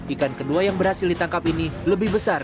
ikan kedua yang berhasil ditangkap ini lebih besar